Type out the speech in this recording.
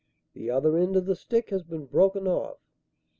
The other end of the stick has been broken off.